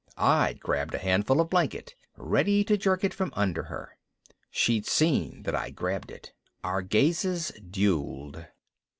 I'd grabbed a handful of blanket, ready to jerk it from under her. She'd seen that I'd grabbed it. Our gazes dueled.